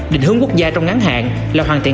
định hướng quốc gia trong ngắn hạn là hoàn thiện